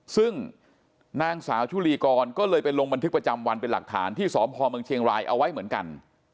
ซึ่งนางสาวชุลีกรก็เลยไปลงบันทึกประจำวันเป็นหลักฐานที่สพเมืองเชียงรายเอาไว้เหมือนกัน